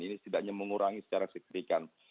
ini setidaknya mengurangi secara signifikan